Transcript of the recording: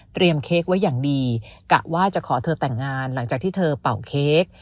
เค้กไว้อย่างดีกะว่าจะขอเธอแต่งงานหลังจากที่เธอเป่าเค้ก